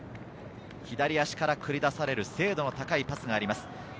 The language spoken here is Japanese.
左足から繰り出される精度の高いパスがあります。